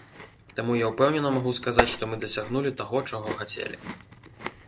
Таму я ўпэўнена магу сказаць, што мы дасягнулі таго, чаго хацелі.